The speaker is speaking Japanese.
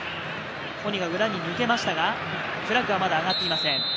ホニが裏に抜けましたが、フラッグはまだ上がっていません。